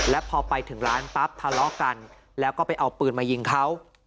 แล้วพอไปถึงร้านปั๊บทะเลาะกันแล้วก็ไปเอาปืนมายิงเขา